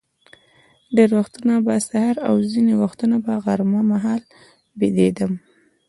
ډېر وختونه به سهار او ځینې وختونه به غرمه مهال بېدېدم.